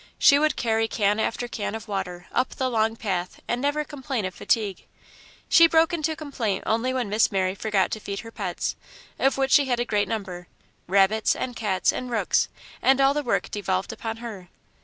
She would carry can after can of water up the long path and never complain of fatigue. She broke into complaint only when Miss Mary forgot to feed her pets, of which she had a great number rabbits, and cats, and rooks, and all the work devolved upon her.